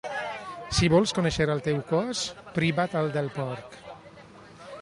Si vols conèixer el teu cos, priva't el del porc.